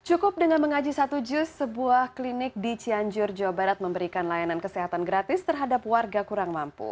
cukup dengan mengaji satu jus sebuah klinik di cianjur jawa barat memberikan layanan kesehatan gratis terhadap warga kurang mampu